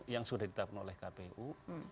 yang sudah ditetapkan oleh kpu